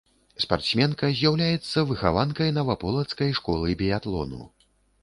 Спартсменка з'яўляецца выхаванкай наваполацкай школы біятлону.